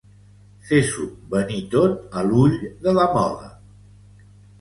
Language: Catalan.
Fer-s'ho venir tot a l'ull de la mola.